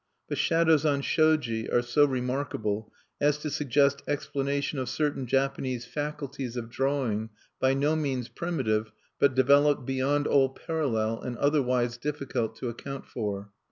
But shadows on shoji are so remarkable as to suggest explanation of certain Japanese faculties of drawing by no means primitive, but developed beyond all parallel, and otherwise difficult to account for.